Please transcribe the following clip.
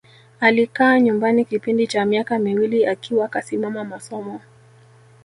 Alikaa nyumbani kipindi cha miaka miwili akiwa kasimama masomo